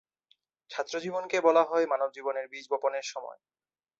ছাত্রজীবনকে বলা হয় মানবজীবনের বীজ বপণের সময়।